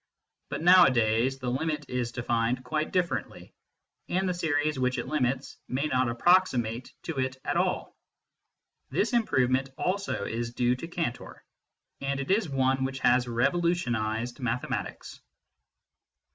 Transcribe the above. But nowadays the limit is denned quite differently, and the series which it limits may not approximate to it at all. This improve ment also is due to Cantor, and it is one which has revolutionised mathematics.